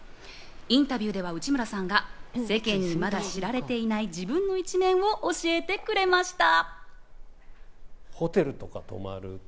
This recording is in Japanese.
インタビューでは内村さんが世間にまだ知られていない自分の一面を教えてくれました。